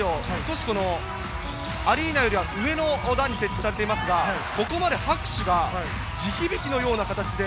岡部さん、我々特設スタジオ、アリーナよりは上の段に設置されていますが、ここまで拍手が地響きのような形で。